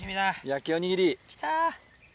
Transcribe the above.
焼きおにぎり。来た。